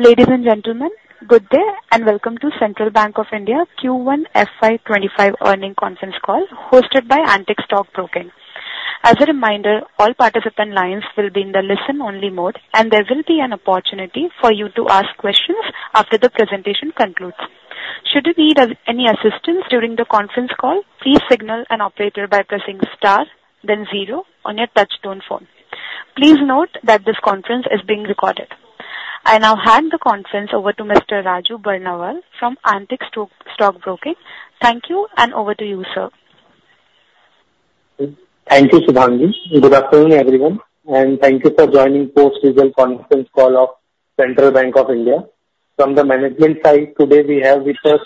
Ladies and gentlemen, good day, and welcome to Central Bank of India Q1 FY25 earnings conference call, hosted by Antique Stock Broking. As a reminder, all participant lines will be in the listen-only mode, and there will be an opportunity for you to ask questions after the presentation concludes. Should you need any assistance during the conference call, please signal an operator by pressing star then zero on your touchtone phone. Please note that this conference is being recorded. I now hand the conference over to Mr. Raju Barnawal from Antique Stock Broking. Thank you, and over to you, sir. Thank you, Shubhangi. Good afternoon, everyone, and thank you for joining post-season conference call of Central Bank of India. From the management side, today we have with us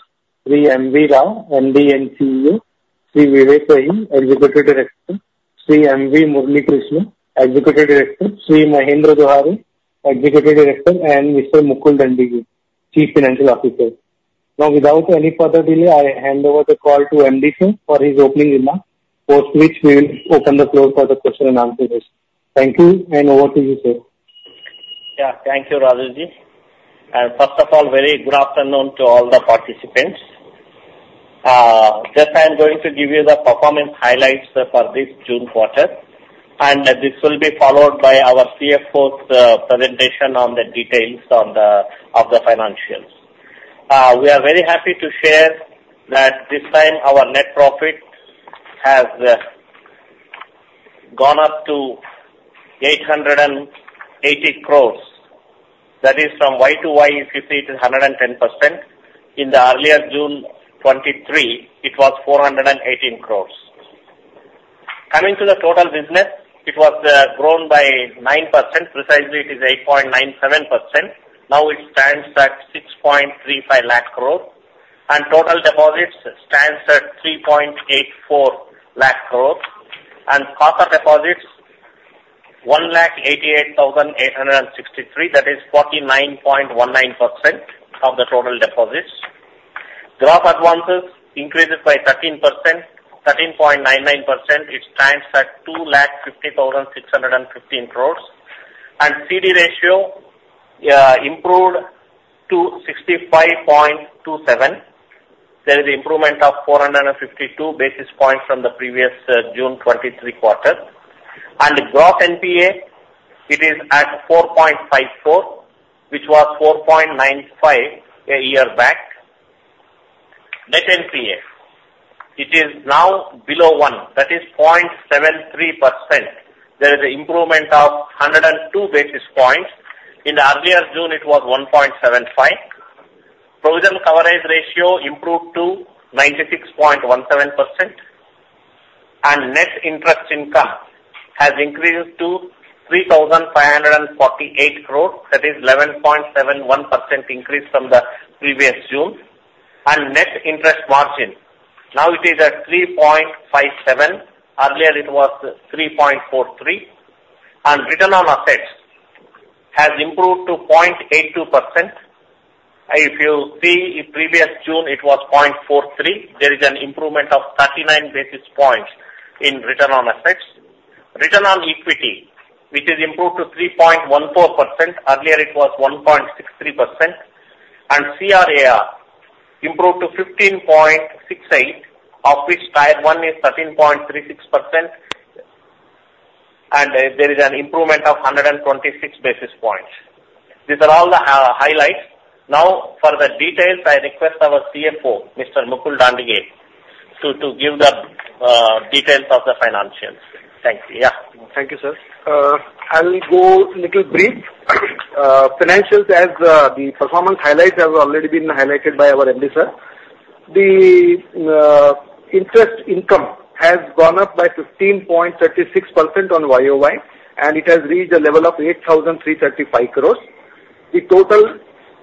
Sri M. V. Rao, MD & CEO; Sri Vivek Wahi, Executive Director; Sri M. V. Murali Krishna, Executive Director; Sri Mahendra Dohare, Executive Director; and Mr. Mukul Dandige, Chief Financial Officer. Now, without any further delay, I hand over the call to MD sir for his opening remarks, post which we will open the floor for the question and answer this. Thank you, and over to you, sir. Yeah. Thank you, Raju ji. First of all, very good afternoon to all the participants. Just I am going to give you the performance highlights for this June quarter, and this will be followed by our CFO's presentation on the details of the financials. We are very happy to share that this time our net profit has gone up to 880 crore. That is from Y to Y, if you see it, is 110%. In the earlier June 2023, it was 418 crore. Coming to the total business, it was grown by 9%. Precisely, it is 8.97%. Now it stands at 635,000 crore, and total deposits stands at 384,000 crore. CASA deposits, 1,88,863 crore, that is 49.19% of the total deposits. Gross advances increases by 13%, 13.99%. It stands at 2,50,615 crore. CD ratio improved to 65.27. There is improvement of 452 basis points from the previous June 2023 quarter. Gross NPA, it is at 4.54%, which was 4.95% a year back. Net NPA, it is now below one, that is 0.73%. There is an improvement of 102 basis points. In the earlier June, it was 1.75%. Provision coverage ratio improved to 96.17%, and net interest income has increased to 3,548 crore. That is 11.71% increase from the previous June. Net interest margin, now it is at 3.57. Earlier, it was 3.43. Return on assets has improved to 0.82%. If you see in previous June, it was 0.43. There is an improvement of 39 basis points in return on assets. Return on equity, which is improved to 3.14%. Earlier, it was 1.63%. CRAR improved to 15.68, of which Tier I is 13.36%, and there is an improvement of 126 basis points. These are all the highlights. Now, for the details, I request our CFO, Mr. Mukul Dandige, to give the details of the financials. Thank you. Yeah. Thank you, sir. I will go little brief. Financials, as the performance highlights, have already been highlighted by our MD, sir. The interest income has gone up by 15.36% on YOY, and it has reached a level of 8,335 crore. The total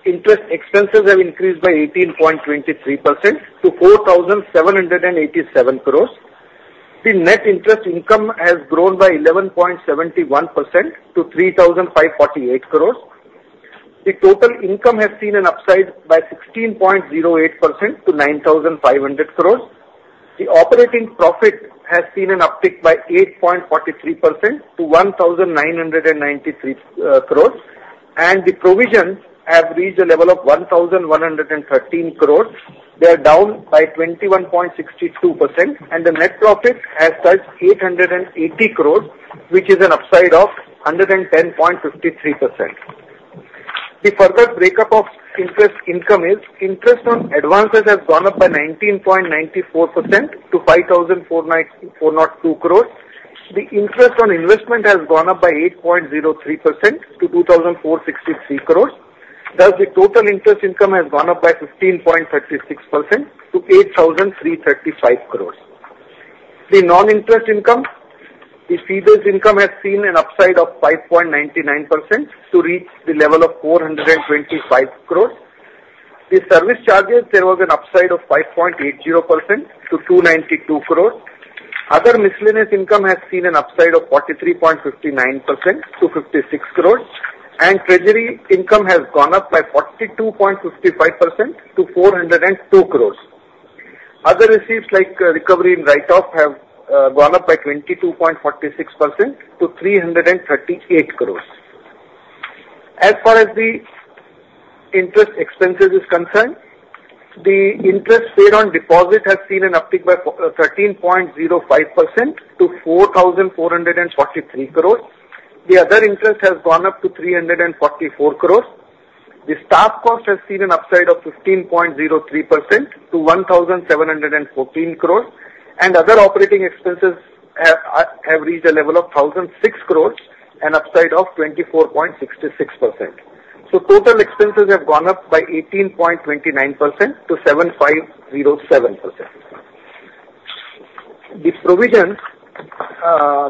interest expenses have increased by 18.23% to 4,787 crore. The net interest income has grown by 11.71% to 3,548 crore. The total income has seen an upside by 16.08% to 9,500 crore. The operating profit has seen an uptick by 8.43% to 1,993 crore, and the provisions have reached a level of 1,113 crore. They are down by 21.62%, and the net profit has touched 880 crore, which is an upside of 110.53%. The further breakup of interest income is: interest on advances has gone up by 19.94% to 5,494.02 crore. The interest on investment has gone up by 8.03% to 2,463 crore. Thus, the total interest income has gone up by 15.36% to 8,335 crore. The non-interest income, the fees-based income has seen an upside of 5.99% to reach the level of 425 crore. The service charges, there was an upside of 5.80% to 292 crore. Other miscellaneous income has seen an upside of 43.59% to 56 crores, and treasury income has gone up by 42.55% to 402 crores. Other receipts like recovery and write-off have gone up by 22.46% to 338 crores. As far as the interest expenses is concerned, the interest paid on deposit has seen an uptick by t 13.5% to 4,443 crores. The other interest has gone up to 344 crores. The staff cost has seen an upside of fifteen point zero three percent to 1,714 crores, and other operating expenses have have reached a level of thousand six crores, an upside of 24.66%. So total expenses have gone up by 18.29% to 7,507 crore. The provisions,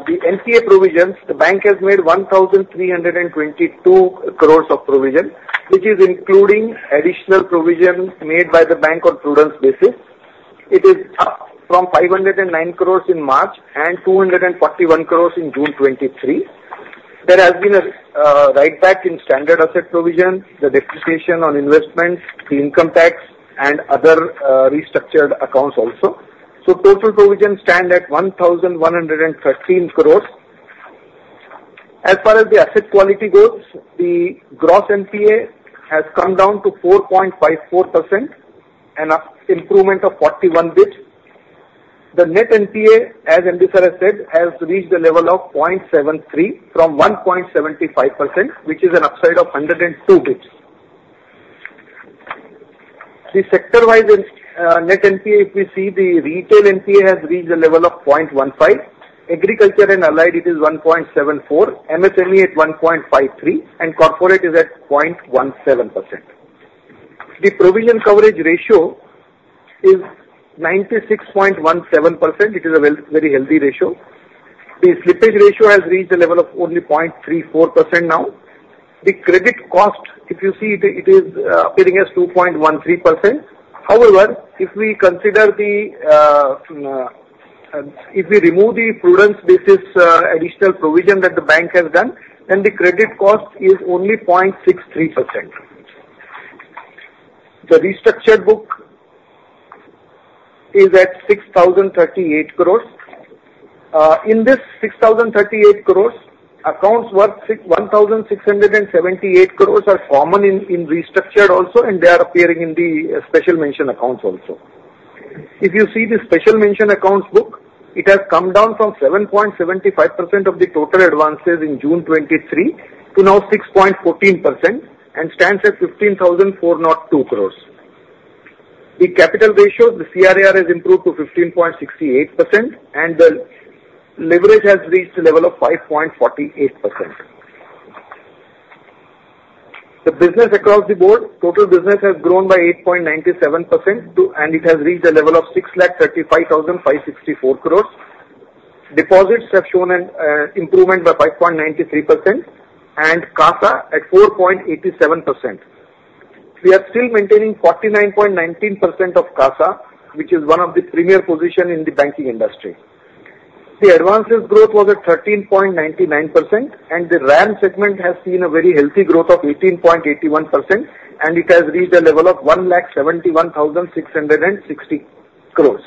the NPA provisions, the bank has made 1,322 crores of provision, which is including additional provisions made by the bank on prudence basis. It is from 509 crores in March and 241 crores in June 2023. There has been a write back in standard asset provision, the depreciation on investments, the income tax, and other restructured accounts also. So total provisions stand at 1,113 crores. As far as the asset quality goes, the gross NPA has come down to 4.54%, an improvement of 41 basis points. The net NPA, as MD Sir has said, has reached the level of 0.73% from 1.75%, which is an upside of 102 basis points. The sector-wise in net NPA, if you see, the retail NPA has reached a level of 0.15%; agriculture and allied, it is 1.74%; MSME at 1.53%; and corporate is at 0.17%. The provision coverage ratio is 96.17%. It is a very healthy ratio. The slippage ratio has reached a level of only 0.34% now. The credit cost, if you see, it is appearing as 2.13%. However, if we consider the, if we remove the prudence basis, additional provision that the bank has done, then the credit cost is only 0.63%. The restructured book is at 6,038 crore. In this 6,038 crore, accounts worth 6,178 crore are common in restructured also, and they are appearing in the special mention accounts also. If you see the special mention accounts book, it has come down from 7.75% of the total advances in June 2023 to now 6.14% and stands at 15,402 crore. The capital ratio, the CRAR, has improved to 15.68%, and the leverage has reached a level of 5.48%. The business across the board, total business has grown by 8.97% to and it has reached a level of 635,564 crore. Deposits have shown an improvement by 5.93% and CASA at 4.87%. We are still maintaining 49.19% of CASA, which is one of the premier position in the banking industry. The advances growth was at 13.99%, and the RAM segment has seen a very healthy growth of 18.81%, and it has reached a level of 1,71,660 crore.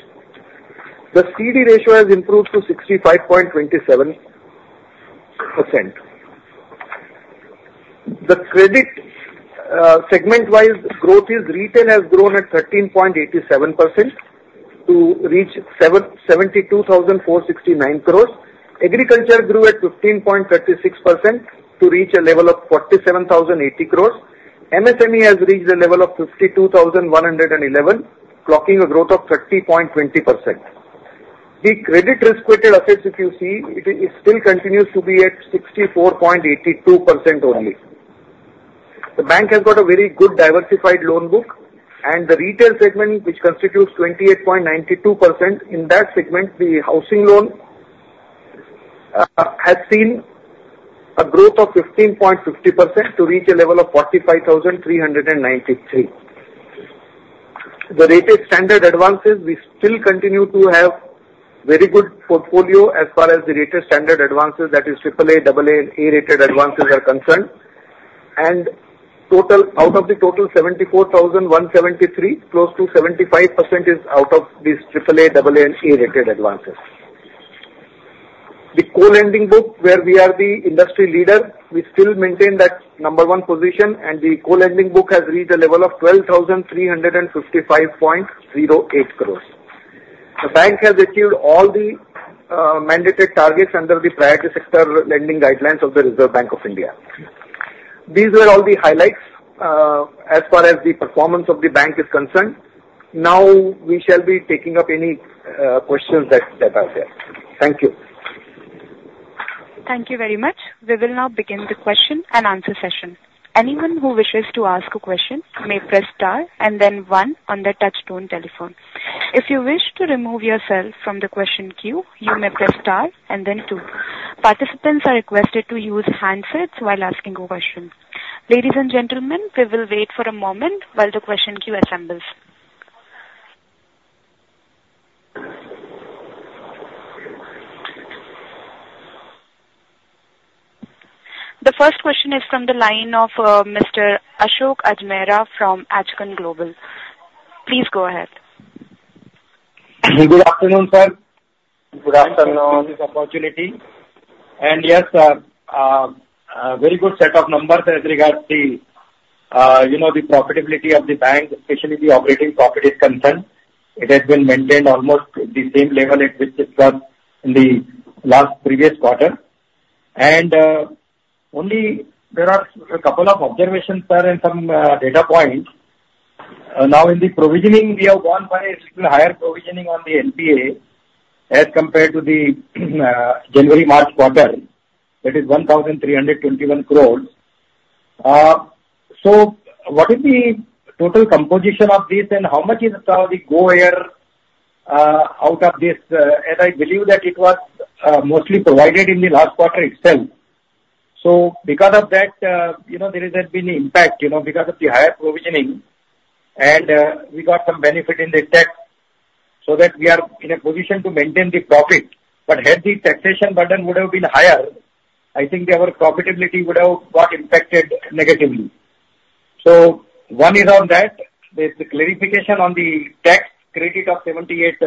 The CD ratio has improved to 65.27%. The credit segment-wise growth is retail has grown at 13.87% to reach 72,469 crore. Agriculture grew at 15.36% to reach a level of 47,080 crore. MSME has reached a level of 52,111 crore, clocking a growth of 30.20%. The credit risk-weighted assets, if you see, it still continues to be at 64.82% only. The bank has got a very good diversified loan book, and the retail segment, which constitutes 28.92%, in that segment, the housing loan has seen a growth of 15.50% to reach a level of 45,393. The rated standard advances, we still continue to have very good portfolio as far as the rated standard advances, that is AAA, AA, and A-rated advances are concerned. Total, out of the total 74,173, close to 75% is out of these AAA, AA, and A-rated advances. The co-lending book, where we are the industry leader, we still maintain that number one position, and the co-lending book has reached a level of 12,355.08 crore. The bank has achieved all the mandated targets under the priority sector lending guidelines of the Reserve Bank of India. These were all the highlights as far as the performance of the bank is concerned. Now, we shall be taking up any questions that, that are there. Thank you. Thank you very much. We will now begin the question and answer session. Anyone who wishes to ask a question may press star and then one on the touchtone telephone. If you wish to remove yourself from the question queue, you may press star and then two. Participants are requested to use handsets while asking a question. Ladies and gentlemen, we will wait for a moment while the question queue assembles. The first question is from the line of Mr. Ashok Ajmera from Ajcon Global. Please go ahead. Good afternoon, sir. Good afternoon. Thank you for this opportunity. Yes, a very good set of numbers as regards the, you know, the profitability of the bank, especially the operating profit is concerned. It has been maintained almost the same level at which it was in the last previous quarter. Only there are a couple of observations, sir, and some data points. Now, in the provisioning, we have gone for a little higher provisioning on the NPA as compared to the January-March quarter, that is 1,321 crore. So what is the total composition of this, and how much is the GoAir out of this? As I believe that it was mostly provided in the last quarter itself. So because of that, you know, there has been impact, you know, because of the higher provisioning, and, we got some benefit in the tax so that we are in a position to maintain the profit. But had the taxation burden would have been higher, I think our profitability would have got impacted negatively. So one is on that, the clarification on the tax credit of 78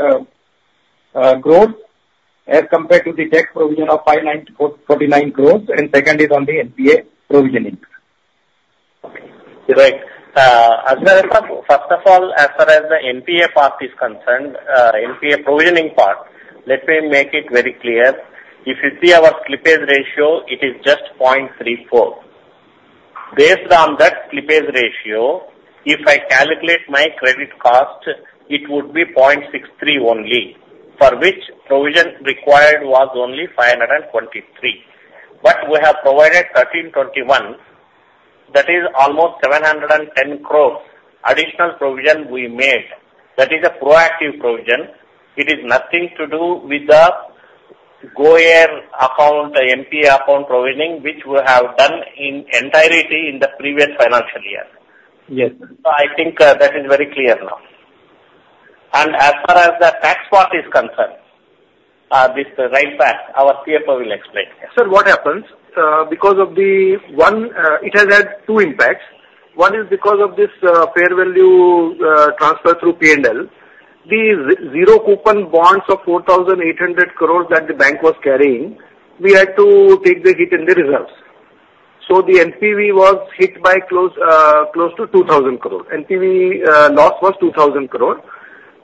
crores, as compared to the tax provision of 594.49 crores, and second is on the NPA provisioning. Right. As far as, first of all, as far as the NPA part is concerned, NPA provisioning part, let me make it very clear. If you see our slippage ratio, it is just 0.34. Based on that slippage ratio, if I calculate my credit cost, it would be 0.63 only, for which provision required was only 523 crore. But we have provided 1,321 crore. That is almost 710 crore additional provision we made. That is a proactive provision. It is nothing to do with the GoAir account, the NPA account provisioning, which we have done in entirety in the previous financial year. Yes. I think that is very clear now. As far as the tax part is concerned, this write back, our CFO will explain. Sir, what happens because of the one... It has had two impacts. One is because of this, fair value, transfer through P&L. The zero coupon bonds of 4,800 crore that the bank was carrying, we had to take the hit in the reserves. So the NPV was hit by close, close to 2,000 crore. NPV, loss was 2,000 crore.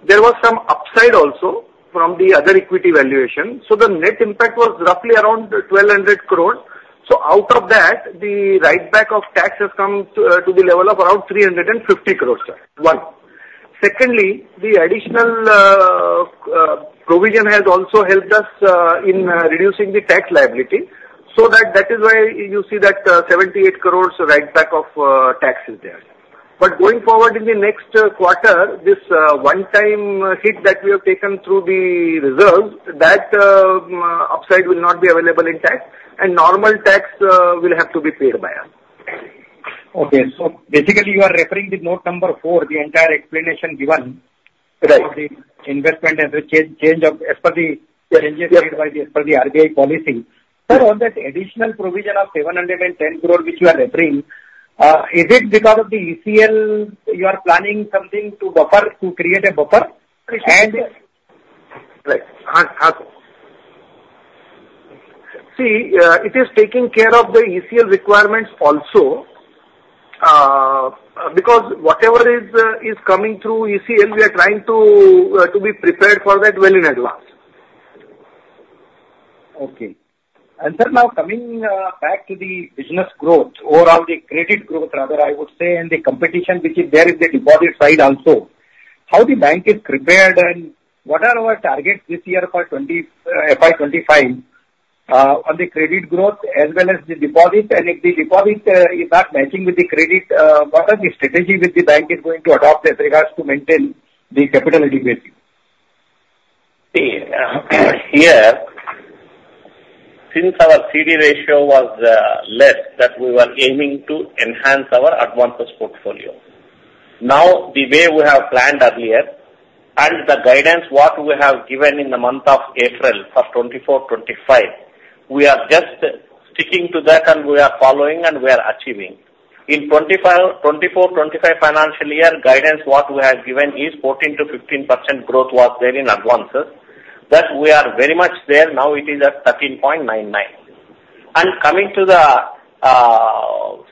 There was some upside also from the other equity valuation, so the net impact was roughly around 1,200 crore. So out of that, the write back of tax has come to, to the level of around 350 crore, sir. One. Secondly, the additional, provision has also helped us, in, reducing the tax liability. So that, that is why you see that, 78 crore write back of tax is there. But going forward in the next quarter, this one-time hit that we have taken through the reserves, that upside will not be available in tax, and normal tax will have to be paid by us. Okay. So basically, you are referring the note number four, the entire explanation given- Right. For the investment and the change of, as per the Yes. -changes made by the, as per the RBI policy. Sir, on that additional provision of 710 crore, which you are referring, is it because of the ECL, you are planning something to buffer, to create a buffer? And- Right. See, it is taking care of the ECL requirements also. Because whatever is, is coming through ECL, we are trying to, to be prepared for that well in advance. Okay. And sir, now coming back to the business growth, overall the credit growth, rather, I would say, and the competition which is there in the deposit side also, how the bank is prepared and what are our targets this year for FY25 on the credit growth as well as the deposit. And if the deposit is not matching with the credit, what are the strategy which the bank is going to adopt as regards to maintain the capital adequacy? Here, since our CD ratio was less, that we were aiming to enhance our advances portfolio. Now, the way we have planned earlier and the guidance what we have given in the month of April for 2024-2025, we are just sticking to that and we are following and we are achieving. In 2024-25 financial year, guidance, what we have given is 14%-15% growth was there in advances. That we are very much there. Now it is at 13.99. And coming to the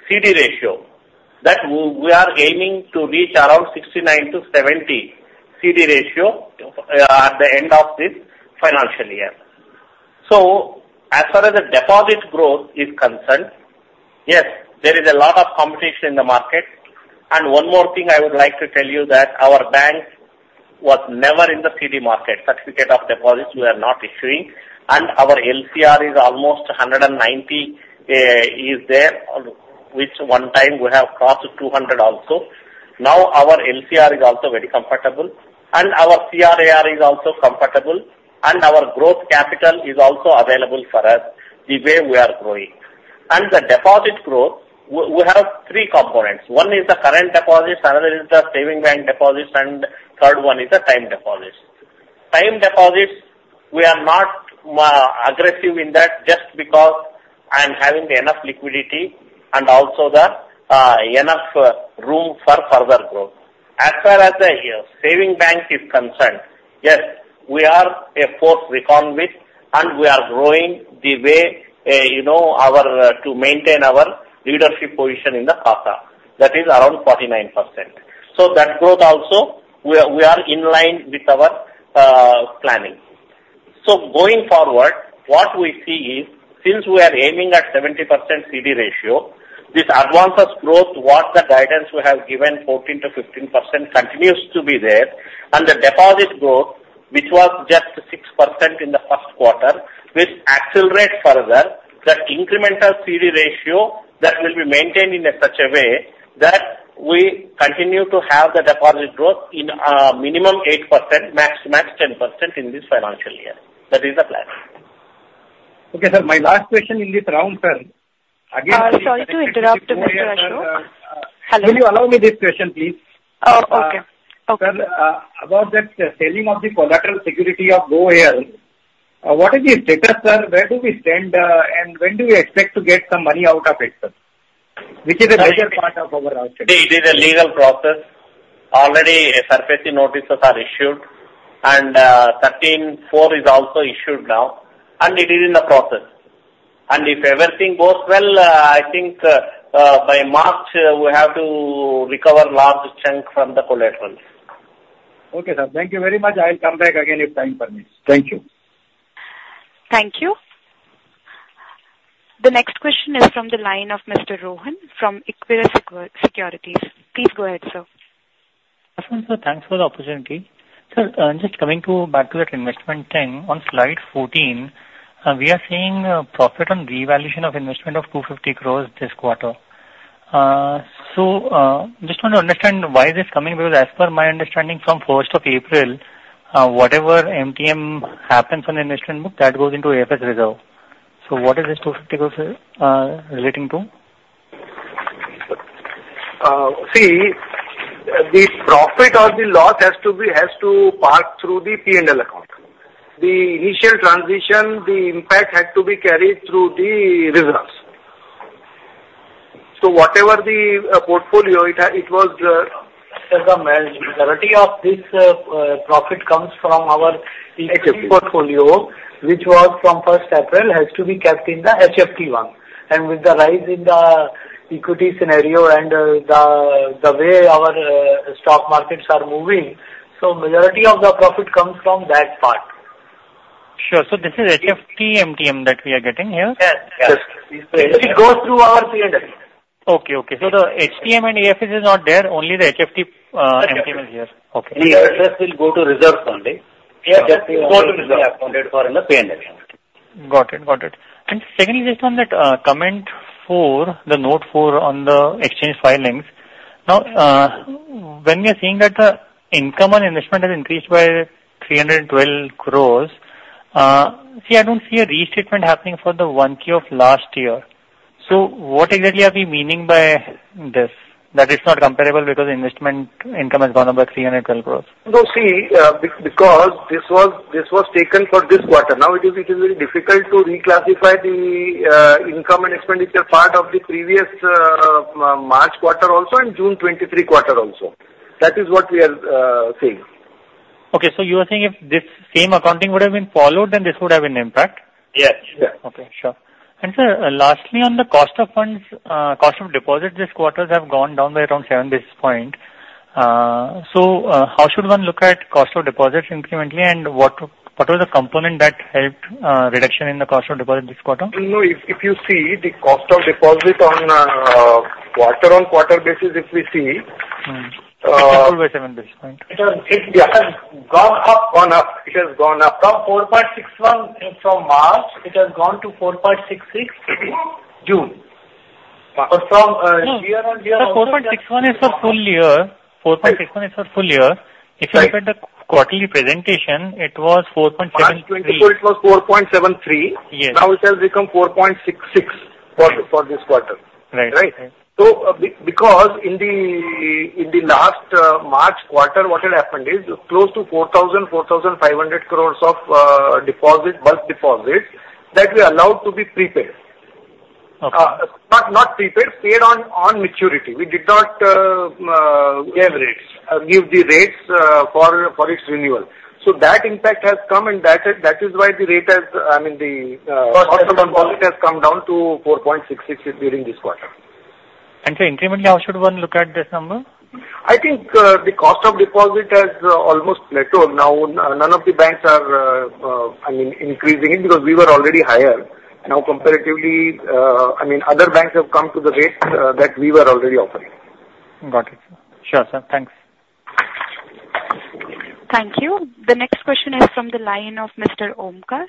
CD ratio, that we are aiming to reach around 69-70 CD ratio at the end of this financial year. So as far as the deposit growth is concerned, yes, there is a lot of competition in the market. One more thing I would like to tell you that our bank was never in the CD market. Certificate of deposits, we are not issuing, and our LCR is almost 190, which one time we have crossed 200 also. Now, our LCR is also very comfortable, and our CRAR is also comfortable, and our growth capital is also available for us, the way we are growing. The deposit growth, we have three components: one is the current deposits, another is the savings bank deposits, and third one is the time deposits. Time deposits, we are not aggressive in that just because I am having enough liquidity and also the enough room for further growth. As far as the saving bank is concerned, yes, we are a force to be reckoned with, and we are growing the way you know our to maintain our leadership position in the CASA, that is around 49%. So that growth also, we are, we are in line with our planning. So going forward, what we see is, since we are aiming at 70% CD ratio, this advances growth towards the guidance we have given, 14%-15% continues to be there, and the deposit growth, which was just 6% in the first quarter, will accelerate further. That incremental CD ratio, that will be maintained in such a way that we continue to have the deposit growth in minimum 8%, max, max 10% in this financial year. That is the plan. Okay, sir, my last question in this round, sir, again- Sorry to interrupt, Mr. Ashok. Will you allow me this question, please? Oh, okay. Okay. Sir, about that selling of the collateral security of GoAir, what is the status, sir? Where do we stand, and when do we expect to get some money out of it, sir? Which is a bigger part of our output. It is a legal process. Already SARFAESI notices are issued, and 13(4) is also issued now, and it is in the process. If everything goes well, I think, by March, we have to recover large chunk from the collaterals. Okay, sir. Thank you very much. I'll come back again if time permits. Thank you. Thank you. The next question is from the line of Mr. Rohan from Equirus Securities. Please go ahead, sir. Thanks for the opportunity. Sir, just coming to back to that investment thing, on slide 14, we are seeing a profit on revaluation of investment of 250 crore this quarter. So, just want to understand why this is coming, because as per my understanding from first of April, whatever MTM happens on investment book, that goes into AFS reserve. So what is this 250 crore, relating to? See, the profit or the loss has to be, has to pass through the P&L account. The initial transition, the impact had to be carried through the results. So whatever the portfolio, it was. The majority of this, profit comes from our equity portfolio, which was from first April, has to be kept in the HFT one. And with the rise in the equity scenario and, the way our, stock markets are moving, so majority of the profit comes from that part. Sure. So this is HFT MTM that we are getting here? Yes. Yes. It goes through our P&L. Okay. Okay. So the HTM and AFS is not there, only the HFT, MTM is here. Okay. The rest will go to reserves only. Go to reserve. Accounted for in the P&L. Got it. Got it. Secondly, just on that, comment four, the note four on the exchange filings. Now, when we are seeing that the income on investment has increased by 312 crore, see, I don't see a restatement happening for the 1Q of last year. So what exactly are we meaning by this? That it's not comparable because investment income has gone about 312 crore. No, see, because this was, this was taken for this quarter. Now it is, it is very difficult to reclassify the income and expenditure part of the previous March quarter also and June 2023 quarter also. That is what we are saying. Okay, so you are saying if this same accounting would have been followed, then this would have an impact? Yes. Yes. Okay. Sure. Sir, lastly, on the cost of funds, cost of deposit, this quarters have gone down by around 7 basis points. So, how should one look at cost of deposits incrementally, and what, what was the component that helped reduction in the cost of deposit this quarter? No, if, if you see the cost of deposit on quarter-over-quarter basis, if we see- Mm-hmm. 7 basis point. It has, it has gone up, gone up. It has gone up from 4.61 from March, it has gone to 4.66, June. But from year on year- 4.61 is for full year. 4.61 is for full year. Right. If you look at the quarterly presentation, it was 4.73. Last 24, it was 4.73. Yes. Now it has become 4.66 for this quarter. Right. Right? So because in the last March quarter, what had happened is close to 4,000-4,500 crore of bulk deposit that we allowed to be prepaid. Okay. Not prepaid, paid on maturity. We did not, Give rates. Give the rates for its renewal. So that impact has come, and that is why the rate has, I mean, the cost of deposit has come down to 4.66 during this quarter. And so incrementally, how should one look at this number? I think, the cost of deposit has almost plateaued. Now, none of the banks are, I mean, increasing it because we were already higher. Now, comparatively, I mean, other banks have come to the rates, that we were already offering. Got it. Sure, sir. Thanks. Thank you. The next question is from the line of Mr. Omkar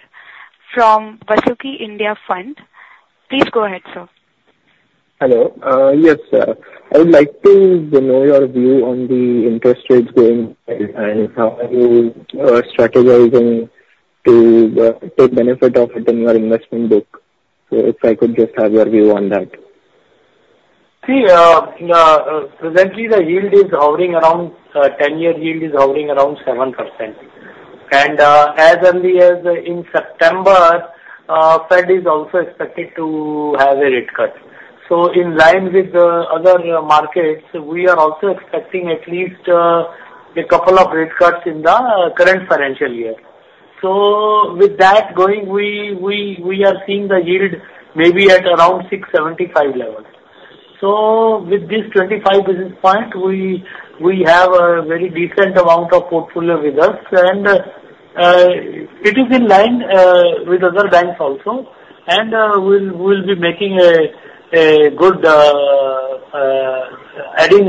from Vasuki India Fund. Please go ahead, sir. Hello. Yes, I would like to know your view on the interest rates going, and how are you strategizing to take benefit of it in your investment book? So if I could just have your view on that. See, presently the yield is hovering around. The ten-year yield is hovering around 7%. And, as early as in September, the Fed is also expected to have a rate cut. So in line with the other markets, we are also expecting at least a couple of rate cuts in the current financial year. So with that going, we are seeing the yield maybe at around 6.75 level. So with this 25 basis points, we have a very decent amount of portfolio with us, and it is in line with other banks also. And we'll be adding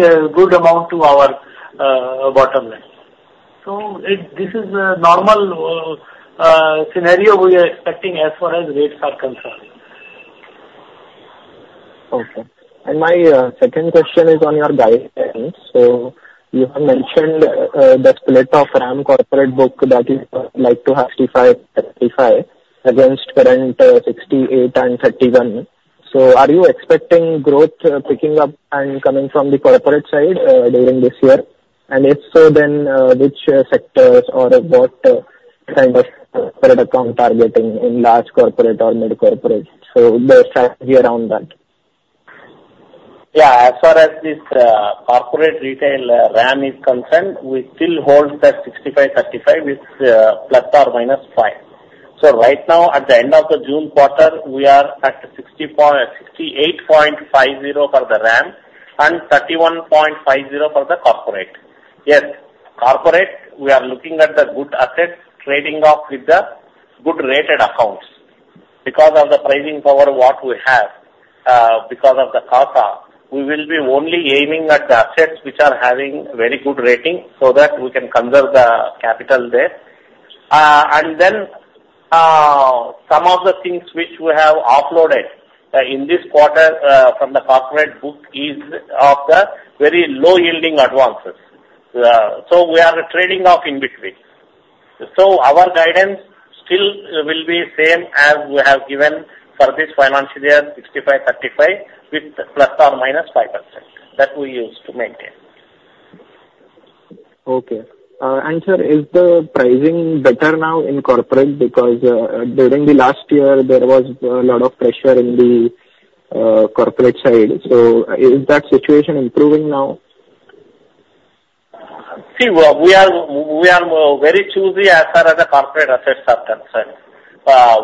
a good amount to our bottom line. So this is a normal scenario we are expecting as far as rates are concerned. Okay. My second question is on your guidance. You have mentioned the split of RAM corporate book that you'd like to have 55-55 against current 68-31. Are you expecting growth picking up and coming from the corporate side during this year? And if so, then which sectors or what kind of credit account targeting in large corporate or mid corporate? There's clarity around that. Yeah, as far as this corporate retail RAM is concerned, we still hold the 65-35 with ±5. So right now, at the end of the June quarter, we are at 60.68% for the RAM and 31.50% for the corporate. Yes, corporate, we are looking at the good assets, trading off with the good rated accounts. Because of the pricing power what we have, because of the CASA, we will be only aiming at the assets which are having very good rating so that we can conserve the capital there. And then, some of the things which we have offloaded in this quarter from the corporate book is of the very low yielding advances. So we are trading off in between. Our guidance still will be same as we have given for this financial year, 65-35, with ±5%. That we use to maintain. Okay. And sir, is the pricing better now in corporate? Because, during the last year, there was a lot of pressure in the, corporate side. So is that situation improving now? See, we are very choosy as far as the corporate assets are concerned.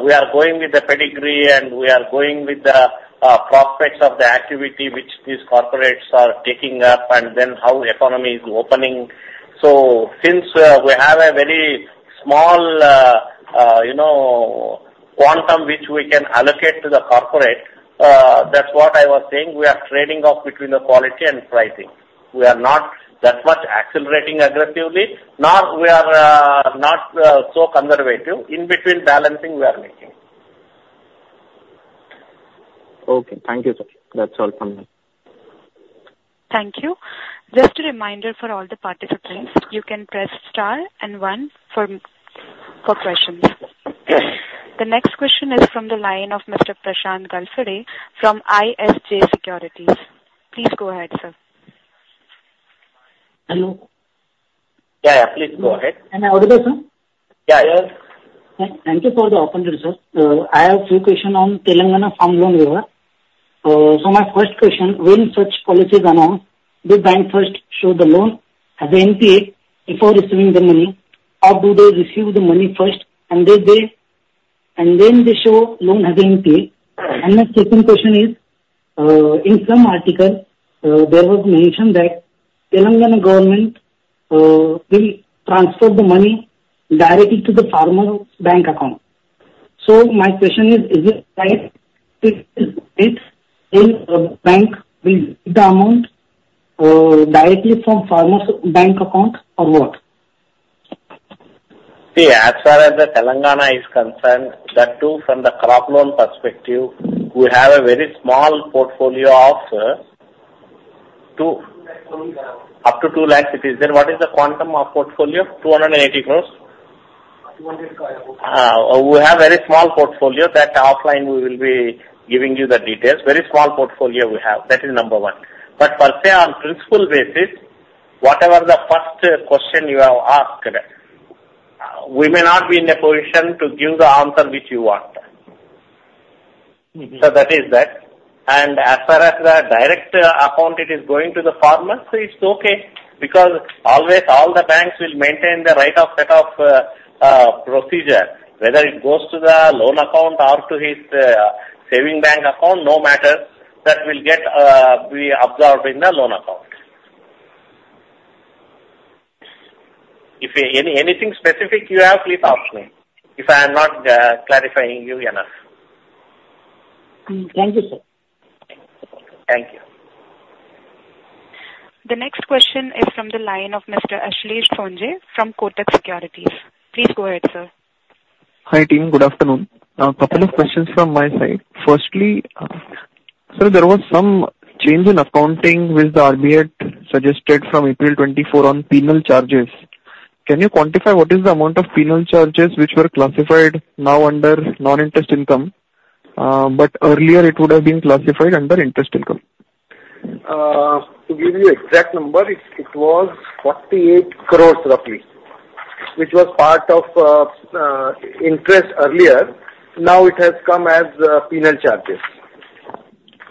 We are going with the pedigree, and we are going with the prospects of the activity which these corporates are taking up, and then how economy is opening. So since we have a very small, you know, quantum, which we can allocate to the corporate, that's what I was saying, we are trading off between the quality and pricing. We are not that much accelerating aggressively, nor we are not so conservative. In between balancing we are making. Okay, thank you, sir. That's all from me. Thank you. Just a reminder for all the participants, you can press star and one for questions. The next question is from the line of Mr. Prashant Galsar from ISJ Securities. Please go ahead, sir. Hello? Yeah, yeah, please go ahead. Am I audible, sir? Yeah, yes. Thank you for the opportunity, sir. I have few question on Telangana farm loan waiver. So my first question, when such policies announce, do bank first show the loan as NPA before receiving the money, or do they receive the money first and then they show loan as NPA? And my second question is, in some article, there was mentioned that Telangana government will transfer the money directly to the farmer's bank account. So my question is, is it right? If in bank, will the amount directly from farmers bank account or what? See, as far as the Telangana is concerned, that too, from the crop loan perspective, we have a very small portfolio of up to 2 lakh rupees. Then what is the quantum of portfolio? 280 crore. 200 crore. We have very small portfolio. That offline we will be giving you the details. Very small portfolio we have, that is number one. But per se, on principle basis, whatever the first question you have asked, we may not be in a position to give the answer which you want. Mm-hmm. So that is that. And as far as the direct account, it is going to the farmer, so it's okay. Because always, all the banks will maintain the right of set off procedure. Whether it goes to the loan account or to his saving bank account, no matter, that will get be absorbed in the loan account. If anything specific you have, please ask me, if I am not clarifying you enough. Hmm. Thank you, sir. Thank you. The next question is from the line of Mr. Ashlesh Sonje from Kotak Securities. Please go ahead, sir. Hi, team. Good afternoon. A couple of questions from my side. Firstly, so there was some change in accounting which the RBI suggested from April 2024 on penal charges. Can you quantify what is the amount of penal charges which were classified now under non-interest income, but earlier it would have been classified under interest income? To give you exact number, it was 48 crore roughly, which was part of interest earlier. Now it has come as penal charges.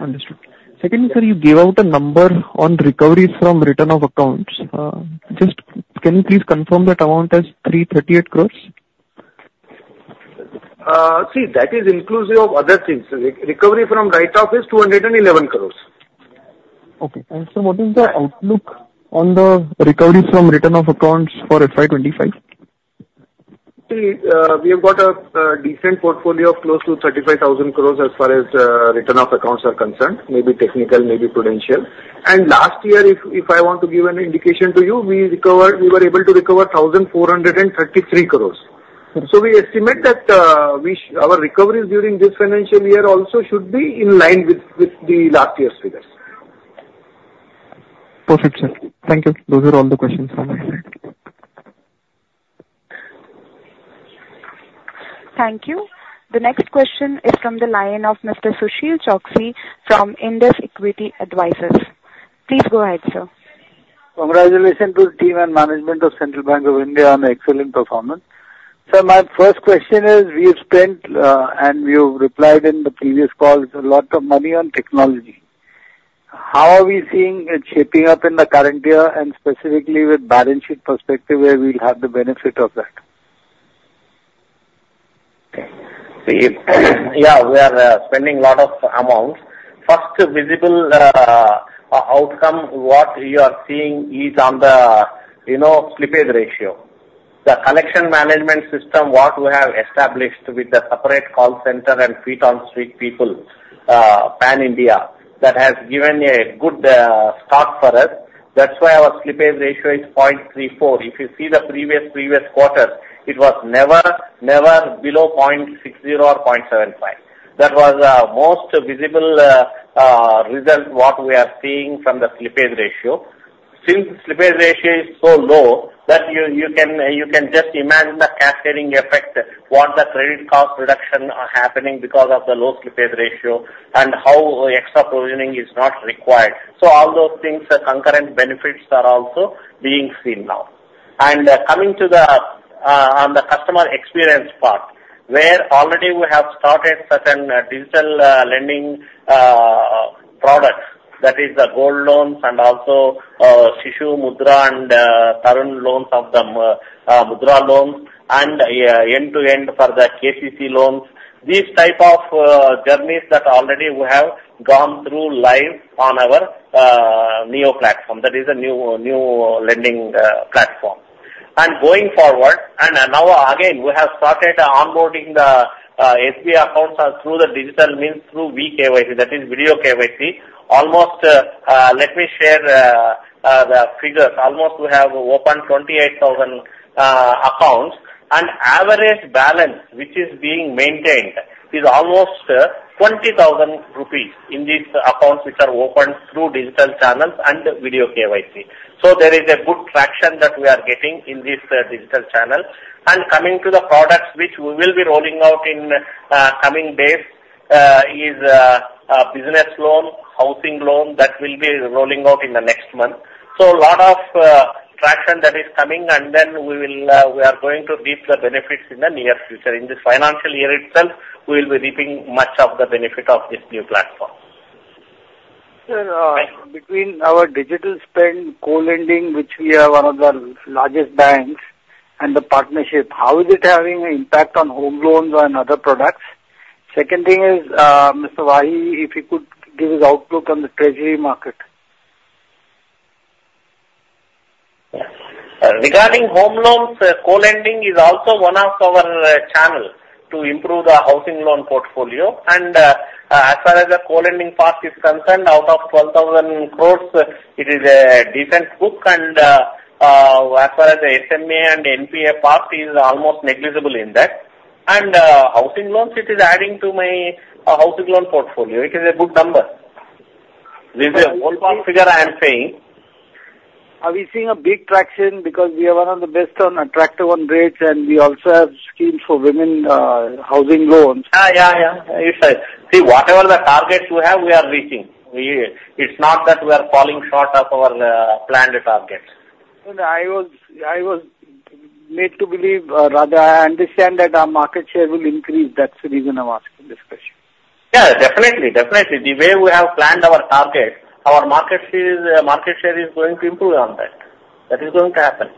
Understood. Secondly, sir, you gave out a number on recoveries from return of accounts. Just can you please confirm that amount as 338 crore? See, that is inclusive of other things. Recovery from write-off is 211 crore. Okay. And so what is the outlook on the recoveries from return of accounts for FY25? See, we have got a decent portfolio of close to 35,000 crore as far as return of accounts are concerned, maybe technical, maybe prudential. Last year, if I want to give an indication to you, we recovered... We were able to recover 1,433 crore. Okay. We estimate that our recoveries during this financial year also should be in line with the last year's figures. Perfect, sir. Thank you. Those are all the questions from my side. Thank you. The next question is from the line of Mr. Sushil Choksey from Indus Equity Advisors. Please go ahead, sir. Congratulations to the team and management of Central Bank of India on the excellent performance. My first question is, we've spent, and you've replied in the previous calls, a lot of money on technology. How are we seeing it shaping up in the current year and specifically with balance sheet perspective, where we'll have the benefit of that? See, yeah, we are spending a lot of amounts. First visible outcome, what we are seeing is on the, you know, slippage ratio. The collection management system, what we have established with the separate call center and feet on street people, pan India, that has given a good start for us. That's why our slippage ratio is 0.34. If you see the previous, previous quarter, it was never, never below 0.60 or 0.75. That was most visible result what we are seeing from the slippage ratio. Since slippage ratio is so low, that you, you can, you can just imagine the cascading effect, what the credit cost reduction are happening because of the low slippage ratio and how extra provisioning is not required. So all those things, the concurrent benefits are also being seen now. Coming to the on the customer experience part, where already we have started certain digital lending products. That is the gold loans and also Shishu, Mudra, and Tarun loans of the Mudra loans and end-to-end for the KCC loans. These type of journeys that already we have gone through live on our Neo platform, that is a new new lending platform. Going forward, and now again, we have started onboarding the SB accounts through the digital means, through vKYC, that is video KYC. Almost let me share the figures. Almost we have opened 28,000 accounts and average balance, which is being maintained, is almost 20,000 rupees in these accounts which are opened through digital channels and video KYC. So there is a good traction that we are getting in this digital channel. And coming to the products which we will be rolling out in coming days is a business loan, housing loan that will be rolling out in the next month. So a lot of traction that is coming, and then we will, we are going to reap the benefits in the near future. In this financial year itself, we will be reaping much of the benefit of this new platform. Sir, between our digital spend co-lending, which we are one of the largest banks, and the partnership, how is it having an impact on home loans and other products? Second thing is, Mr. Wahi, if he could give his outlook on the treasury market. Regarding home loans, co-lending is also one of our channel to improve the housing loan portfolio. As far as the co-lending part is concerned, out of 12,000 crore, it is a decent book and, as far as the SMA and NPA part is almost negligible in that. Housing loans, it is adding to my housing loan portfolio. It is a good number. This is the overall figure I am saying. Are we seeing a big traction? Because we are one of the best on attractive on rates, and we also have schemes for women, housing loans. Yeah, yeah. It's. See, whatever the targets we have, we are reaching. It's not that we are falling short of our planned targets. I was, I was made to believe, rather I understand that our market share will increase. That's the reason I'm asking this question. Yeah, definitely, definitely. The way we have planned our targets, our market share, market share is going to improve on that. That is going to happen.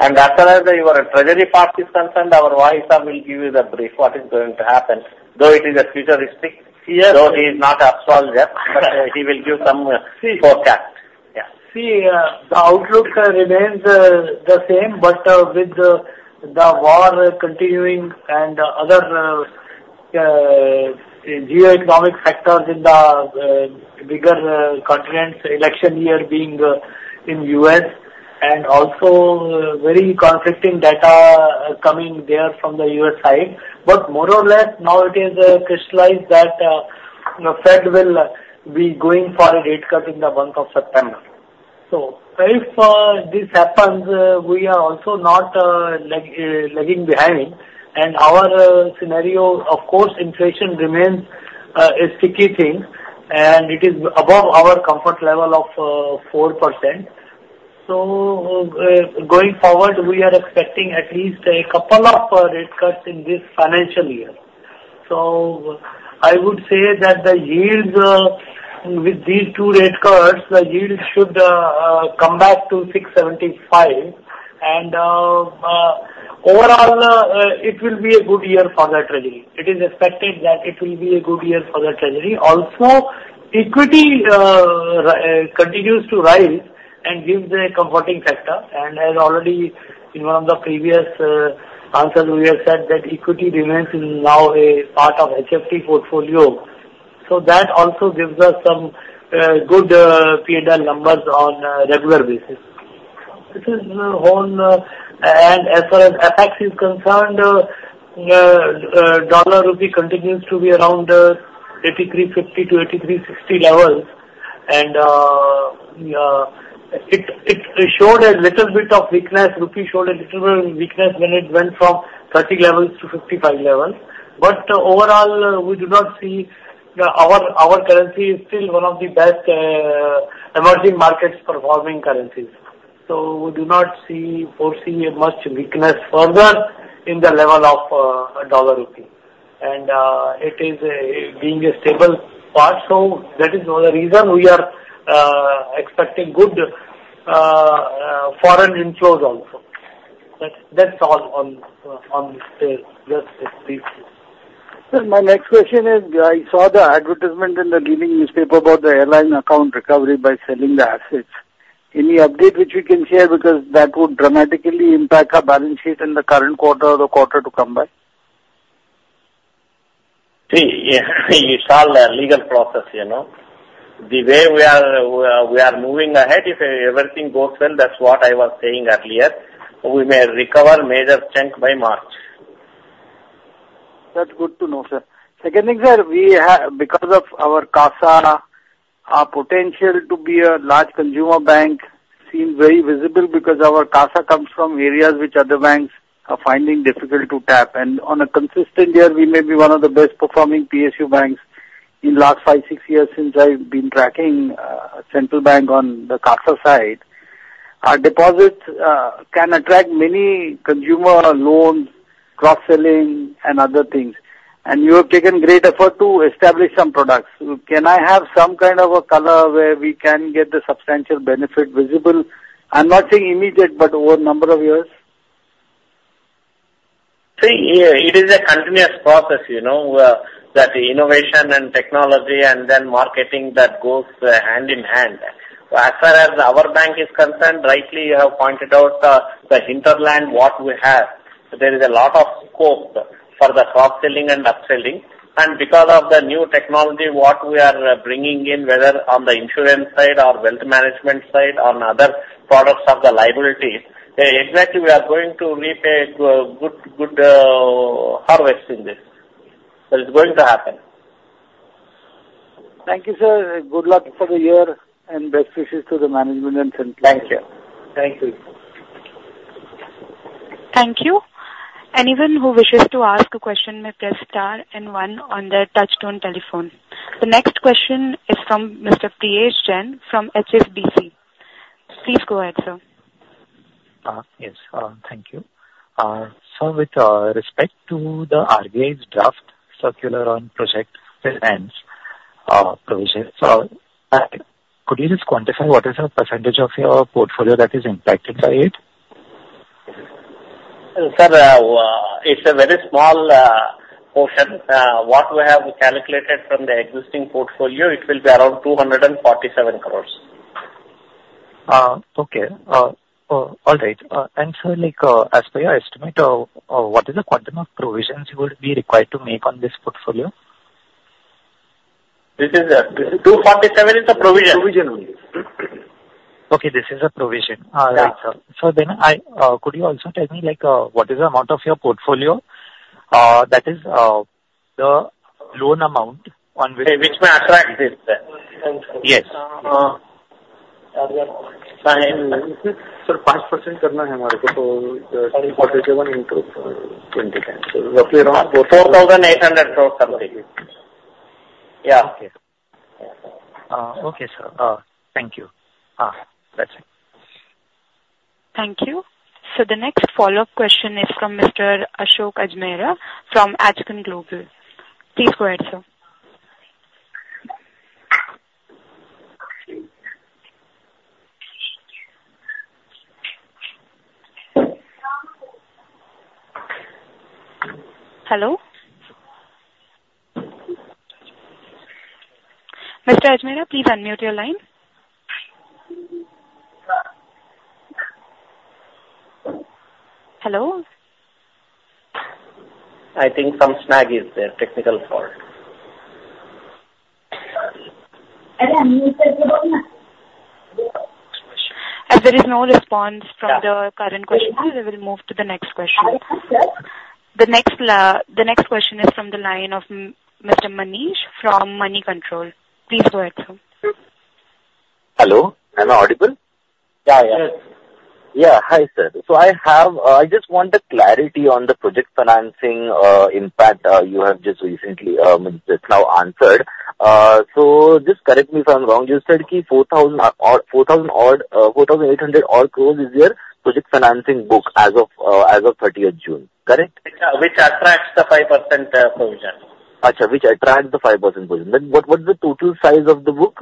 And as far as your treasury part is concerned, our Wahi sir will give you the brief, what is going to happen, though it is a futuristic. Yes. Though he is not astrologer, but he will give some- See. Forecast. Yeah. See, the outlook remains the same, but with the war continuing and other geoeconomic factors in the bigger continents, election year being in U.S., and also very conflicting data coming there from the U.S. side. But more or less now it is crystallized that- The Fed will be going for a rate cut in the month of September. So if this happens, we are also not lagging behind. And our scenario, of course, inflation remains a sticky thing, and it is above our comfort level of 4%. So going forward, we are expecting at least a couple of rate cuts in this financial year. So I would say that the yields with these two rate cuts, the yields should come back to 6.75. And overall it will be a good year for the treasury. It is expected that it will be a good year for the treasury. Also, equity continues to rise and gives a comforting factor. And as already in one of the previous answers, we have said that equity remains now a part of HFT portfolio. So that also gives us some good P&L numbers on a regular basis. This is on and as far as FX is concerned, dollar rupee continues to be around 83.50-83.60 levels. And it showed a little bit of weakness. Rupee showed a little bit of weakness when it went from 83.30-83.55 levels. But overall, we do not see our currency is still one of the best emerging markets performing currencies. So we do not foresee much weakness further in the level of dollar rupee. And it is being a stable part, so that is another reason we are expecting good foreign inflows also. That's all on this here. Sir, my next question is, I saw the advertisement in the leading newspaper about the airline account recovery by selling the assets. Any update which you can share, because that would dramatically impact our balance sheet in the current quarter or the quarter to come by? See, it's all a legal process, you know. The way we are moving ahead, if everything goes well, that's what I was saying earlier, we may recover major chunk by March. That's good to know, sir. Second thing, sir, we have... Because of our CASA, our potential to be a large consumer bank seems very visible because our CASA comes from areas which other banks are finding difficult to tap. And on a consistent year, we may be one of the best performing PSU banks in last 5, 6 years since I've been tracking Central Bank on the CASA side. Our deposits can attract many consumer loans, cross-selling and other things, and you have taken great effort to establish some products. Can I have some kind of a color where we can get the substantial benefit visible? I'm not saying immediate, but over a number of years. See, it is a continuous process, you know, that innovation and technology and then marketing that goes hand in hand. As far as our bank is concerned, rightly, you have pointed out, the hinterland, what we have. There is a lot of scope for the cross-selling and upselling. And because of the new technology, what we are bringing in, whether on the insurance side or wealth management side, on other products of the liabilities, exactly, we are going to reap a good, good, harvest in this. That is going to happen. Thank you, sir. Good luck for the year and best wishes to the management and Central Bank. Thank you. Thank you. Thank you. Anyone who wishes to ask a question may press star and one on their touchtone telephone. The next question is from Mr. Priyesh Jain from HSBC. Please go ahead, sir. Yes, thank you. So with respect to the RBI's draft circular on project finance provision, could you just quantify what is the percentage of your portfolio that is impacted by it? Sir, it's a very small portion. What we have calculated from the existing portfolio, it will be around 247 crore. Okay. All right. And so, like, as per your estimate, what is the quantum of provisions you would be required to make on this portfolio? This is the 247 is the provision. Provision only. Okay, this is a provision. Yeah. Right, sir. So then, could you also tell me, like, what is the amount of your portfolio, that is, the loan amount on which- Which may attract this? Yes. Uh, uh, Sir, 5% INR 4,800 crore something. Yeah. Okay. Okay, sir. Thank you. That's it. Thank you. So the next follow-up question is from Mr. Ashok Ajmera from Ajcon Global. Please go ahead, sir. Hello? Mr. Ajmera, please unmute your line. Hello? I think some snag is there, technical fault. Hello, As there is no response from the current questioner, we will move to the next question. The next, the next question is from the line of Mr. Manish from Moneycontrol. Please go ahead, sir. Hello, am I audible? Yeah, yeah. Yeah. Hi, sir. So I have, I just want the clarity on the project financing, impact, you have just recently, just now answered. So just correct me if I'm wrong, you said like 4,000 or 4,000-odd, 4,800-odd crore is your project financing book as of, as of thirtieth June, correct? Which attracts the 5%, provision. Which attract the 5% provision. Then what, what's the total size of the book?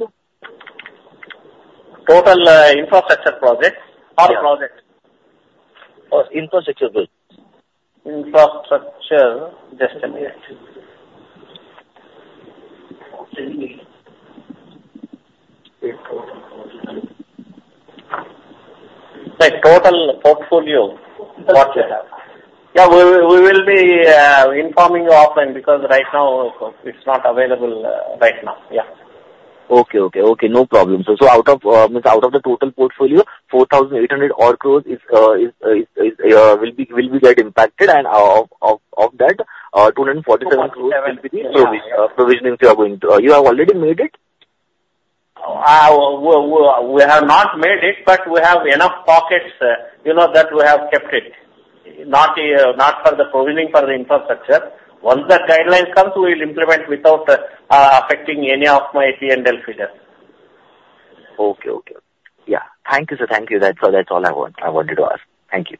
Total, infrastructure projects or projects? Infrastructure books. Infrastructure, just a minute. Like, total portfolio. Got you. Yeah, we will, we will be informing you offline, because right now it's not available, right now. Yeah. Okay, okay. Okay, no problem. So out of the total portfolio, 4,800 odd crore will be get impacted, and of that, 247 crore will be the provision provisioning you are going to... You have already made it? We have not made it, but we have enough pockets, you know, that we have kept it. Not, not for the provisioning for the infrastructure. Once the guideline comes, we will implement without affecting any of my PNL figures. Okay, okay. Yeah. Thank you, sir. Thank you. That's, so that's all I want—I wanted to ask. Thank you.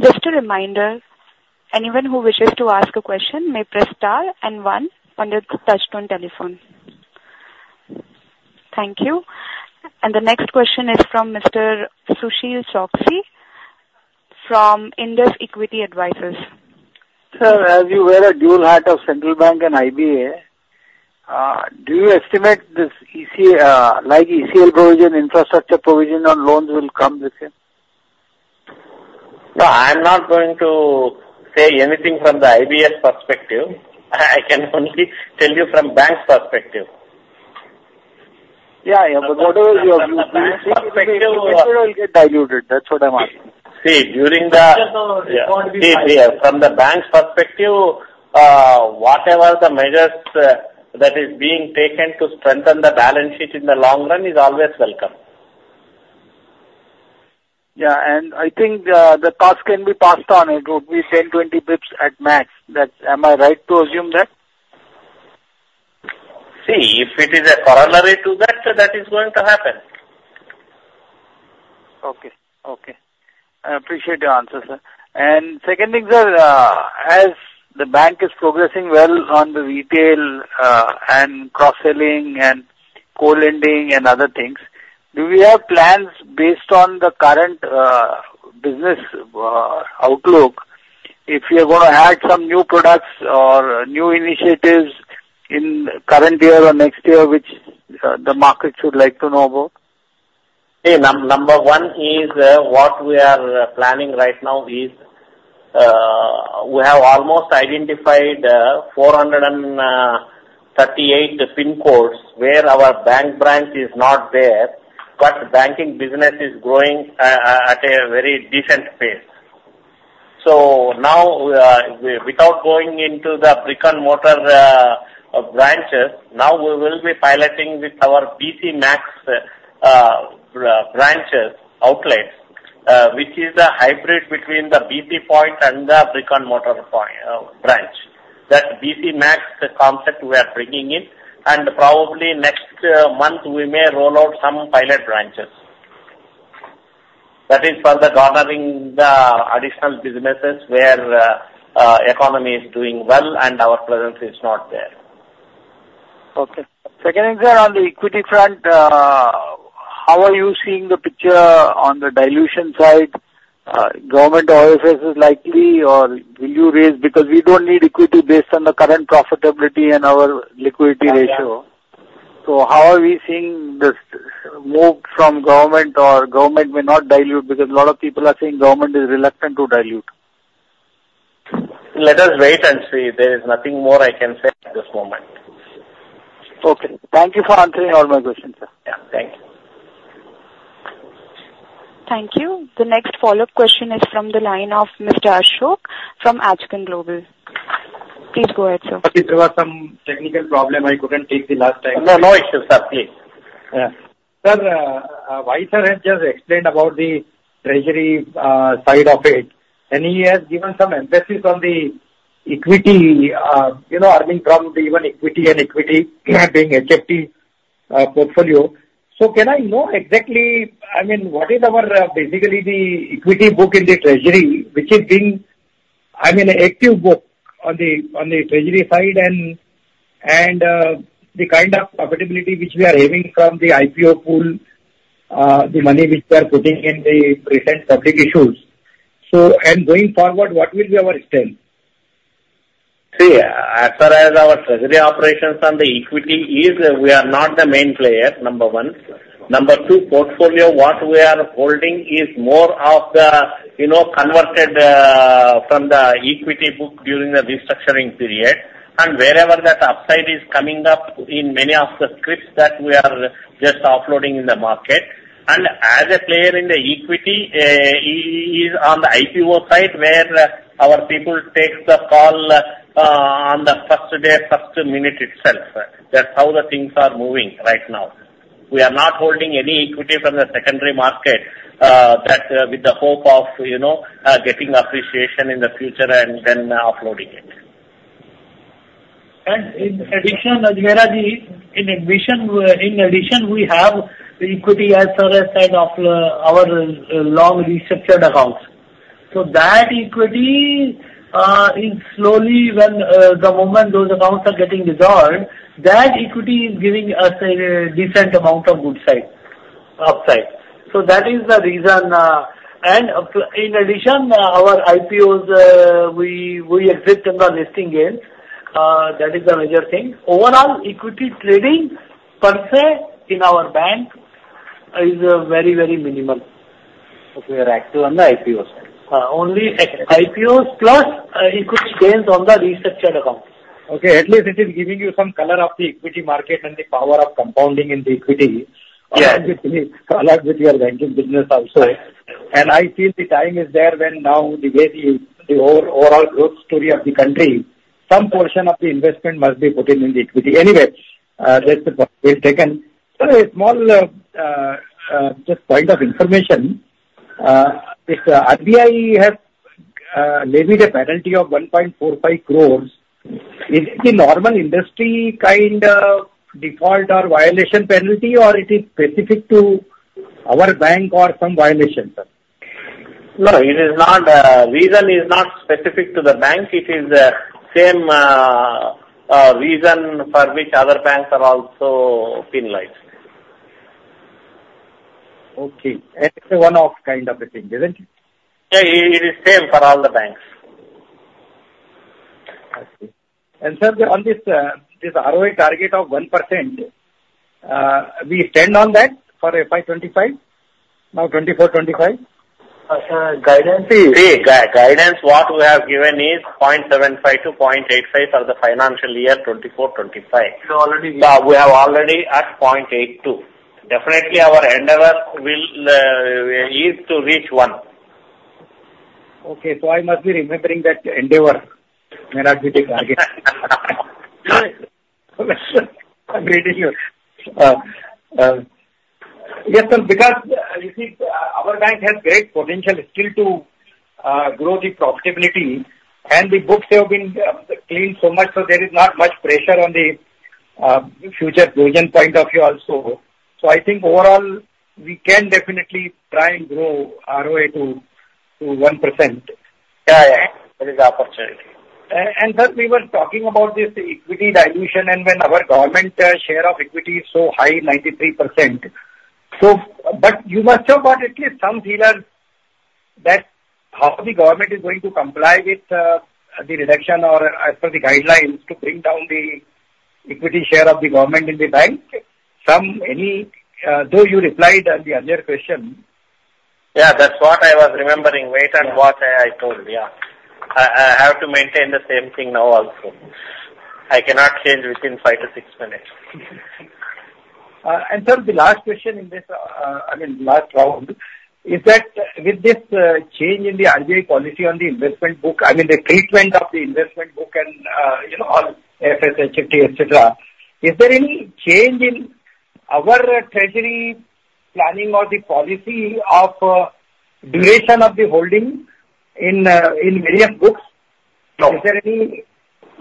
Just a reminder, anyone who wishes to ask a question may press star and one on your touchtone telephone. Thank you. The next question is from Mr. Sushil Choksey from Indus Equity Advisors. Sir, as you wear a dual hat of Central Bank and IBA, do you estimate this EC, like ECL provision, infrastructure provision on loans will come the same? No, I'm not going to say anything from the IBA's perspective. I can only tell you from bank's perspective. Yeah, but what will you... The bank perspective will get diluted. That's what I'm asking. See, during the- Yeah. See, yeah, from the bank's perspective, whatever the measures that is being taken to strengthen the balance sheet in the long run is always welcome. Yeah, and I think, the cost can be passed on. It would be 10-20 basis points at max. That, am I right to assume that? See, if it is a corollary to that, so that is going to happen. Okay, okay. I appreciate your answer, sir. Second thing, sir, as the bank is progressing well on the retail, and cross-selling and co-lending and other things, do we have plans based on the current, business, outlook, if you're gonna add some new products or new initiatives in current year or next year, which, the market should like to know about? See, number one is, what we are planning right now is, we have almost identified, 438 pin codes where our bank branch is not there, but banking business is growing, at a very decent pace. So now, without going into the brick-and-mortar, branches, now we will be piloting with our BC Max, branches outlets, which is a hybrid between the BC point and the brick-and-mortar branch. That BC Max concept we are bringing in, and probably next, month, we may roll out some pilot branches. That is for the garnering the additional businesses where, economy is doing well and our presence is not there. Okay. Second thing, sir, on the equity front, how are you seeing the picture on the dilution side? Government RFPs is likely, or will you raise? Because we don't need equity based on the current profitability and our liquidity ratio. Yeah. How are we seeing this move from government or government may not dilute because a lot of people are saying government is reluctant to dilute? Let us wait and see. There is nothing more I can say at this moment. Okay. Thank you for answering all my questions, sir. Yeah, thank you. Thank you. The next follow-up question is from the line of Mr. Ashok from Ajcon Global. Please go ahead, sir. There was some technical problem. I couldn't take the last time. No, no issues, sir. Please. Yeah. Sir, why sir had just explained about the treasury side of it, and he has given some emphasis on the equity, you know, earning from even equity and equity being HFT portfolio. So can I know exactly, I mean, what is our basically the equity book in the treasury, which is being, I mean, an active book on the treasury side and the kind of profitability which we are having from the IPO pool, the money which we are putting in the recent public issues. So, and going forward, what will be our extent? See, as far as our treasury operations on the equity is, we are not the main player, number one. Number two, portfolio, what we are holding is more of the, you know, converted from the equity book during the restructuring period. And wherever that upside is coming up in many of the scripts that we are just offloading in the market. And as a player in the equity is on the IPO side, where our people takes the call on the first day, first minute itself. That's how the things are moving right now. We are not holding any equity from the secondary market that with the hope of, you know, getting appreciation in the future and then offloading it. In addition, Ajmera-ji, we have the equity as far as side of our loan restructured accounts. So that equity is slowly when the moment those accounts are getting resolved, that equity is giving us a decent amount of good side, upside. So that is the reason. And up to... In addition, our IPOs, we exit on the listing gains. That is the major thing. Overall, equity trading per se in our bank is very, very minimal. Okay, we are active on the IPO side. Only IPOs plus equity gains on the restructured accounts. Okay, at least it is giving you some color of the equity market and the power of compounding in the equity- Yes. along with your banking business also. And I feel the time is there when now the way the overall growth story of the country, some portion of the investment must be put in the equity. Anyway, that's the point taken. Sir, a small just point of information. The RBI has levied a penalty of 1.45 crore. Is it the normal industry kind of default or violation penalty, or it is specific to our bank or some violation, sir? No, it is not. Reason is not specific to the bank. It is same reason for which other banks are also penalized. Okay. It's a one-off kind of a thing, isn't it? Yeah, it is same for all the banks. I see. And, sir, on this, this ROA target of 1%, we stand on that for FY 25, now 24, 25? Guidance is- The guidance, what we have given is 0.75-0.85 for the financial year 2024-2025. You already- We have already at 0.82. Definitely, our endeavor will, is to reach 1. Okay. So I must be remembering that endeavor may not be the target. Agree with you. Yes, sir, because, you know, our bank has great potential still to grow the profitability and the books have been cleaned so much, so there is not much pressure on the future vision point of view also. So I think overall, we can definitely try and grow ROA to 1%. Yeah, yeah. There is opportunity. And sir, we were talking about this equity dilution, and when our government's share of equity is so high, 93%. So, but you must have got at least some feeler that how the government is going to comply with the reduction or as per the guidelines, to bring down the equity share of the government in the bank. Some, any, though you replied on the earlier question. Yeah, that's what I was remembering, wait, and what I, I told, yeah. I, I have to maintain the same thing now also. I cannot change within 5 minutes-6 minutes. And, sir, the last question in this, I mean, last round, is that with this change in the RBI policy on the investment book, I mean, the treatment of the investment book and, you know, all AFS, HFT, et cetera, is there any change in our treasury planning or the policy of duration of the holding in various books? No. Is there any change?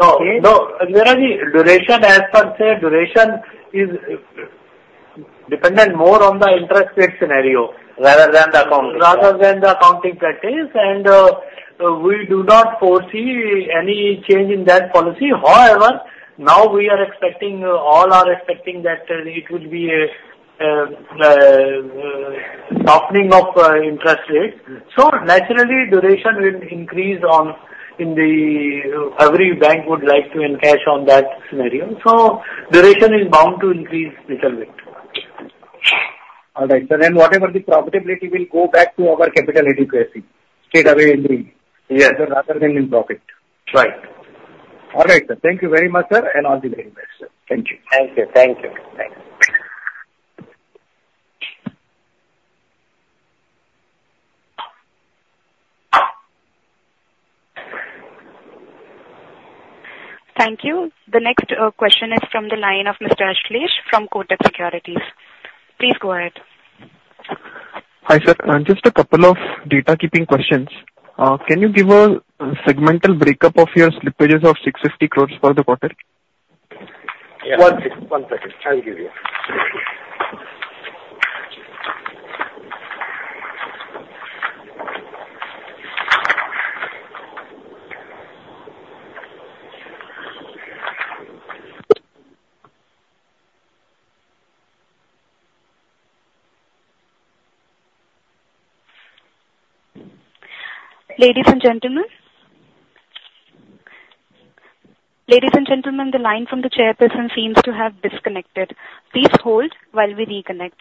No, no. The duration, per se, duration is dependent more on the interest rate scenario- Rather than the accounting. Rather than the accounting practice, we do not foresee any change in that policy. However, now we are expecting, all are expecting that it will be a softening of interest rates. So naturally, duration will increase in the. Every bank would like to encash on that scenario. So duration is bound to increase little bit. All right, sir. Then whatever the profitability will go back to our capital adequacy straight away in the- Yes. Rather than in profit. Right. All right, sir. Thank you very much, sir, and all the very best, sir. Thank you. Thank you. Thank you. Thank you. Thank you. The next question is from the line of Mr. Ashlesh from Kotak Securities. Please go ahead. Hi, sir. Just a couple of data-keeping questions. Can you give a segmental breakup of your slippages of 650 crore for the quarter? Yeah. One sec, one second. I'll give you. Ladies and gentlemen. Ladies and gentlemen, the line from the chairperson seems to have disconnected. Please hold while we reconnect.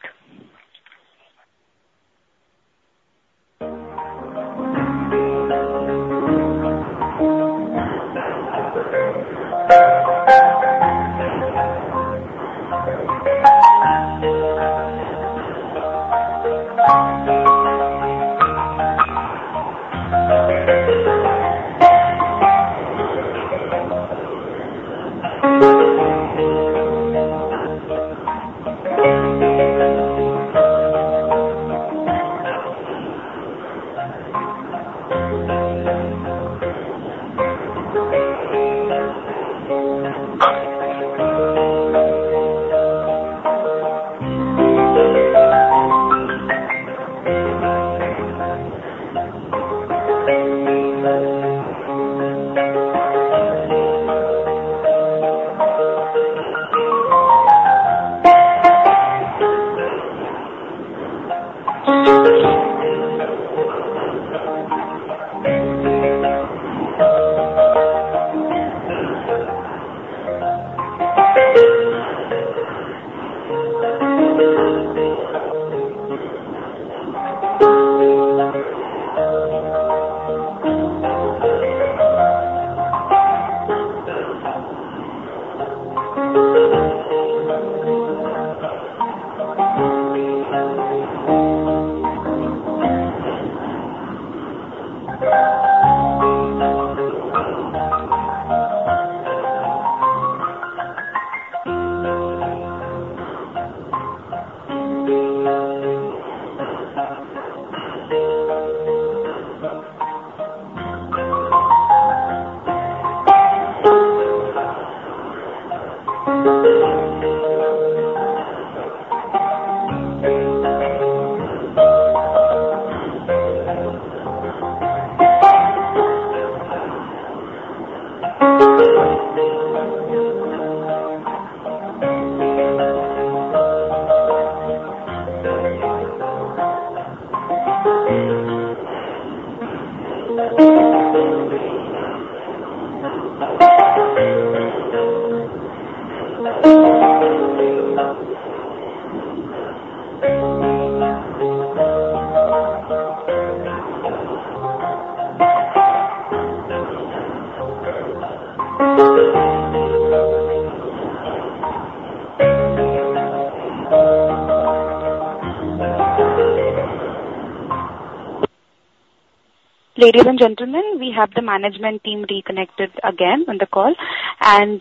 Ladies and gentlemen, we have the management team reconnected again on the call, and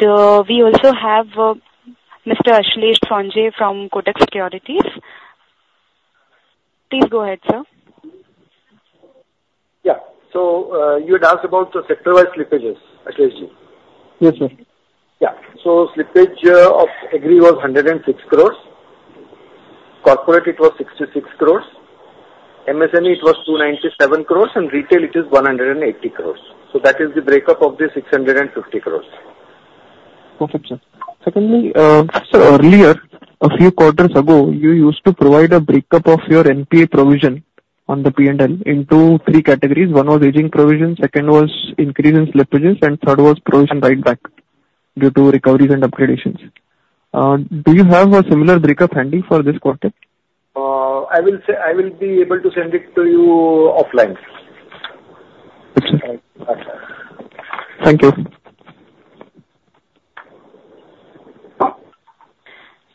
we also have Mr. Ashlesh Sonje from Kotak Securities. Please go ahead, sir. Yeah. So, you had asked about the sector-wide slippages, Ashlesh Sonje. Yes, sir. Yeah. So slippage of Agri was 106 crore. Corporate, it was 66 crore. MSME, it was 297 crore, and retail, it is 180 crore. So that is the breakup of the 650 crore. Perfect, sir. Secondly, so earlier, a few quarters ago, you used to provide a breakup of your NPA provision on the P&L into three categories. One was aging provision, second was increase in slippages, and third was provision write-back due to recoveries and upgradations. Do you have a similar breakup handy for this quarter? I will say, I will be able to send it to you offline. Okay. Thank you.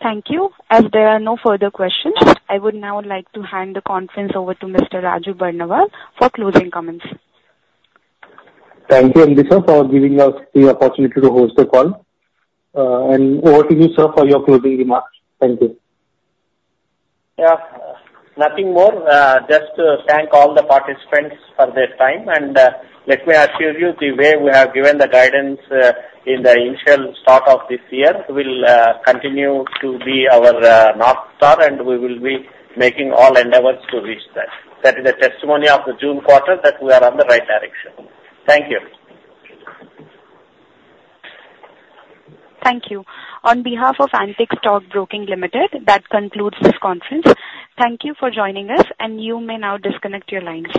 Thank you. As there are no further questions, I would now like to hand the conference over to Mr. Raju Barnawal for closing comments. Thank you, Amita, for giving us the opportunity to host the call. And over to you, sir, for your closing remarks. Thank you. Yeah. Nothing more. Just to thank all the participants for their time, and let me assure you, the way we have given the guidance in the initial start of this year will continue to be our North Star, and we will be making all endeavors to reach that. That is a testimony of the June quarter, that we are on the right direction. Thank you. Thank you. On behalf of Antique Stock Broking Limited, that concludes this conference. Thank you for joining us, and you may now disconnect your lines.